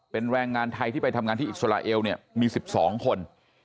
เป็นแรงงานไทยที่ไปทำงานที่อิสราเอลเนี่ยมี๑๒คน